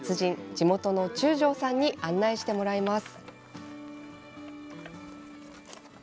地元の中條さんに案内してもらいます。